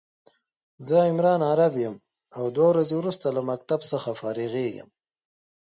زه عمران عرب يم او دوه ورځي وروسته له مکتب څخه فارغيږم